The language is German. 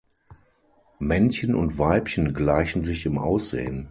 Männchen und Weibchen gleichen sich im Aussehen.